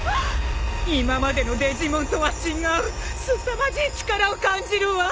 今までのデジモンとは違うすさまじい力を感じるわ！